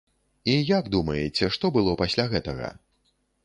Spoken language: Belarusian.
І, як думаеце, што было пасля гэтага?